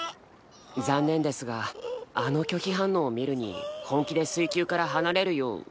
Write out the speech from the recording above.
残念ですがあの拒否反応を見るに本気で水球から離れるよう。